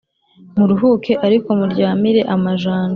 muruhuke ariko muryamire amajanja